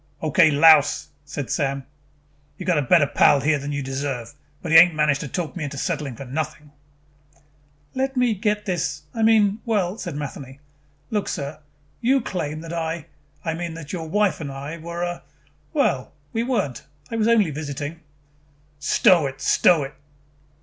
"Okay, louse," said Sam. "You got a better pal here than you deserve, but he ain't managed to talk me into settling for nothing." "Let me get this I mean well," said Matheny. "Look, sir, you claim that I, I mean that your wife and I were, uh, well, we weren't. I was only visiting " "Stow it, stow it."